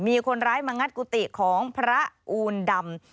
มีคนร้ายมางัดกุฏิของพระอูลดำ